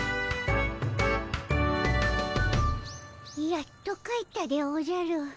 やっと帰ったでおじゃる。